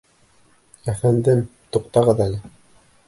— Әфәндем, туҡтағыҙ әле.